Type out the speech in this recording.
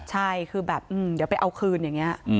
ใช่คือแบบเดี๋ยวไปเอาคืนอย่างนี้